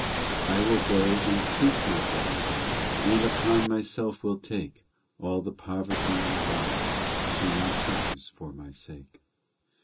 x I will go and seek My bride, then, And upon Myself will take All the poverty and sorrows She now suffers for My sake.